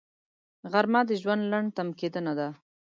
غرمه د ژوند لنډ تم کېدنه ده